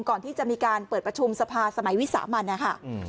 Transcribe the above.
ก่อนที่จะมีการเปิดประชุมสภาสมัยวิสามันนะคะ